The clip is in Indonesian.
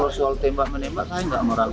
jadi soal tembak menembak saya tidak meragukan dia